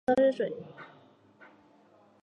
便想叫她去烧热水